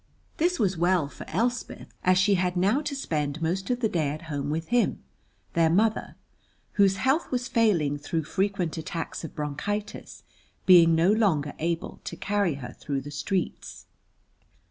This was well for Elspeth, as she had now to spend most of the day at home with him, their mother, whose health was failing through frequent attacks of bronchitis, being no longer able to carry her through the streets.